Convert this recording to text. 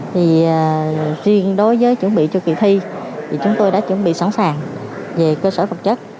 thì riêng đối với chuẩn bị cho kỳ thi thì chúng tôi đã chuẩn bị sẵn sàng về cơ sở vật chất